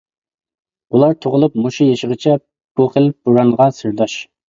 ئۇلار تۇغۇلۇپ مۇشۇ يېشىغىچە بۇ خىل بورانغا سىرداش.